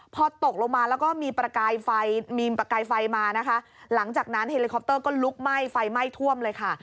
พอตกลงมาแล้วก็มีประกายไฟมีประกายไฟมานะคะหลังจากนั้นเฮลิคอปเตอร์ก็ลุกไหม้ไฟไหม้ท่วมเลยค่ะ